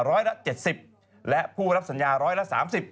ร้อยละ๗๐และผู้รับสัญญาร้อยละ๓๐